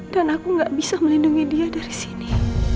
dan aku gak bisa melindungi dia dari sini